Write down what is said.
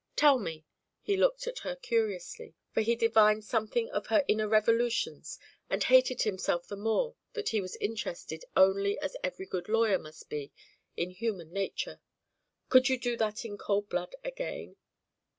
Tell me" he looked at her curiously, for he divined something of her inner revolutions and hated himself the more that he was interested only as every good lawyer must be in human nature, "could you do that in cold blood again?"